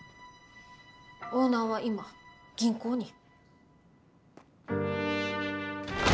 オーナーは今銀行に。